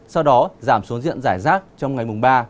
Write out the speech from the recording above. sau đó giảm số diện giải rác trong ngày mùng ba